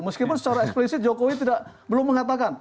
meskipun secara eksplisit jokowi belum mengatakan